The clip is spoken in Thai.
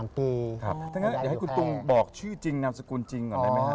๑๓ปีอยากอยู่แพร่อยากให้คุณตุงบอกชื่อจริงนามสกุลจริงก่อนได้ไหมครับ